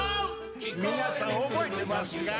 皆さん覚えてますか？